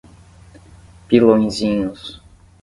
Pilõezinhos